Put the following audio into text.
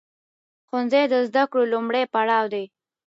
ښوونځی د زده کړو لومړی پړاو دی.